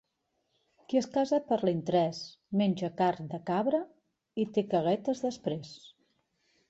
Qui es casa per l'interès, menja carn de cabra i té caguetes després.